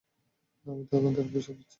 আমি তোমাদেরকে অভিশাপ দিচ্ছি।